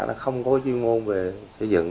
nó không có chuyên môn về xây dựng